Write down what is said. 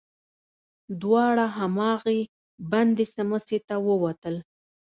دواړه هماغې بندې سمڅې ته ووتل.